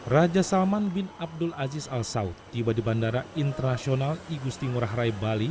raja salman bin abdul aziz al saud tiba di bandara internasional igusti ngurah rai bali